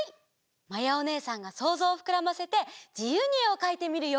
まやおねえさんがそうぞうをふくらませてじゆうにえをかいてみるよ。